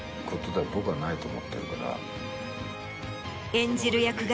演じる役柄